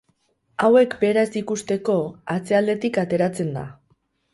Hauek bera ez ikusteko, atzealdetik ateratzen da.